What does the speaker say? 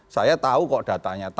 saya tahu kok datanya